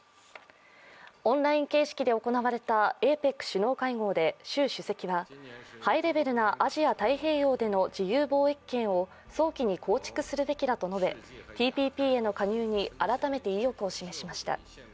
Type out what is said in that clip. オンライン形式で行われたＡＰＥＣ首脳会合で習主席はハイレベルなアジア太平洋での自由貿易圏を早期に構築するべきだと述べＴＰＰへの加入に改めて意欲を示しました。